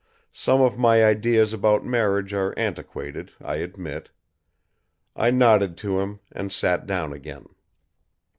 Some of my ideas about marriage are antiquated, I admit. I nodded to him, and sat down again.